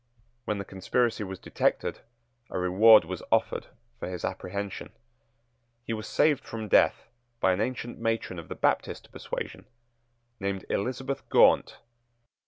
When the conspiracy was detected, a reward was offered for his apprehension. He was saved from death by an ancient matron of the Baptist persuasion, named Elizabeth Gaunt.